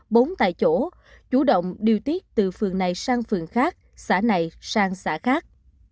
bốn tại chỗ chủ động điều tiết từ phường này sang phường khác xã này sang xã khác